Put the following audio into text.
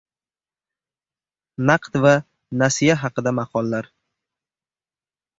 Naqd va nasiya haqida maqollar.